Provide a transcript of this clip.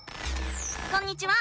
こんにちは！